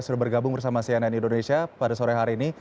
sudah bergabung bersama cnn indonesia pada sore hari ini